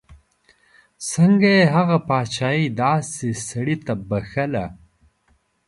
څنګه یې هغه پاچهي داسې سړي ته بخښله.